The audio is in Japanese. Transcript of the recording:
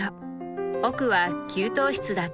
奥は給湯室だった